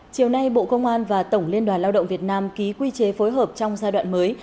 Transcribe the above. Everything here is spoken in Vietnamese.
chiều nay bộ công an và tổng liên đoàn lao động việt nam ký quy chế phối hợp trong giai đoạn mới